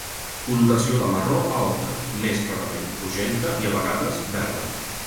Coloració de marró a ocre, més rarament rogenca i a vegades verda.